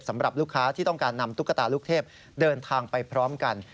สำหรับลูกค้าที่ต้องการนำตุ๊กตาลูกเทพเดินทางไปพร้อมกัน